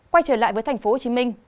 quay trở lại với tp hcm